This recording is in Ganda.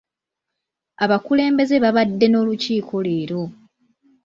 Abakulembeze babadde n'olukiiko leero.